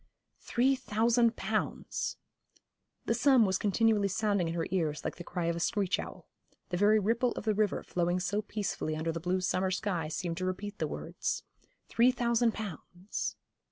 Three thousand pounds! The sum was continually sounding in her ears like the cry of a screech owl. The very ripple of the river flowing so peacefully under the blue summer sky seemed to repeat the words. Three thousand pounds!